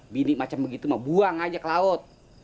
bini macam begitu mau buang aja ke laut